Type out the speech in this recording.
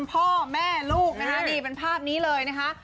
พ่อแม่ลูกเป็นภาพนี้เลยนะคะ